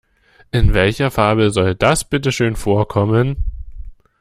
In welcher Fabel soll das bitte schön vorkommen?